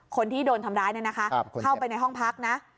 คนที่โดนทำร้ายเนี่ยนะคะเข้าไปในห้องพักนะ